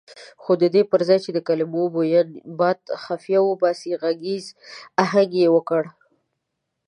خو ددې پرځای چې د کلمو بوین باد خفیه وباسي غږیز اهنګ یې ورکړ.